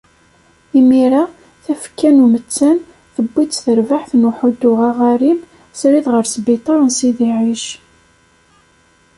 Imir-a, tafekka n umettan, tewwi-tt terbaɛt n Uḥuddu Aɣarim srid ɣer sbiṭer n Sidi Ɛic.